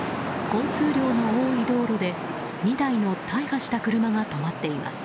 交通量の多い道路で２台の大破した車が止まっています。